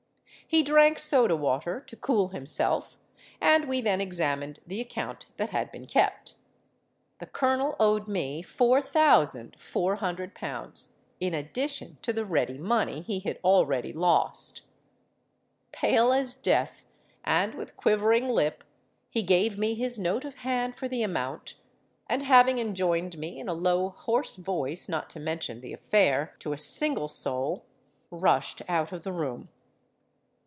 He drank soda water to cool himself; and we then examined the account that had been kept. The colonel owed me four thousand four hundred pounds, in addition to the ready money he had already lost. Pale as death, and with quivering lip, he gave me his note of hand for the amount; and having enjoined me in a low hoarse voice not to mention the affair to a single soul, rushed out of the room.